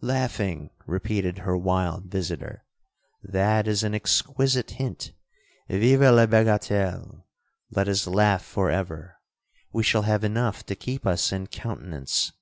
'—'Laughing!' repeated her wild visitor; 'that is an exquisite hint—vive la bagatelle! Let us laugh for ever!—we shall have enough to keep us in countenance.